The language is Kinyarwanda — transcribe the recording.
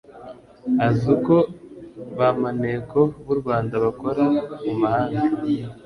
azi uko ba maneko b'u Rwanda bakora mu mahanga.